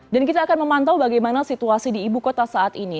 dan kita akan memantau bagaimana situasi di ibu kota saat ini